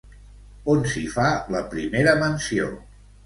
On s'hi fa la primera menció?